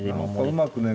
うまくね